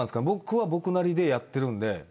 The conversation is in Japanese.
僕は僕なりでやってるんで。